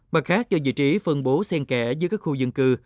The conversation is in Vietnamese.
mặt khác do vị trí phân bố sen kẻ giữa các khu dân cư